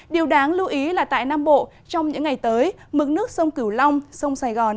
điều đáng lưu ý là tại nam bộ trong những ngày tới mực nước sông cửu long sông sài gòn